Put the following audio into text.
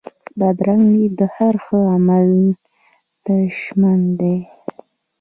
بدرنګه نیت د هر ښه عمل دشمن دی